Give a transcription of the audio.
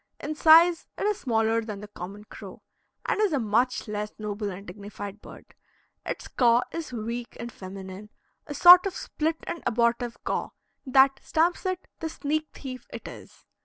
In size it is smaller than the common crow, and is a much less noble and dignified bird. Its caw is weak and feminine a sort of split and abortive caw, that stamps it the sneak thief it is.